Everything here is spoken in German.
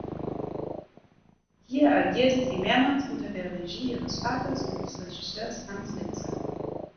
Hier agierte sie mehrmals unter der Regie ihres Vaters und des Regisseurs Hans Lietzau.